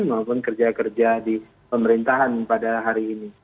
maupun kerja kerja di pemerintahan pada hari ini